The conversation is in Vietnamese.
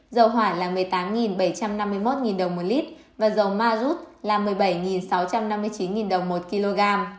dầu hỏa là một mươi tám bảy trăm năm mươi một đồng một lít và dầu ma rút là một mươi bảy sáu trăm năm mươi chín đồng một kg